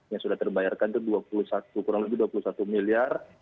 yang sudah terbayarkan itu rp dua puluh satu miliar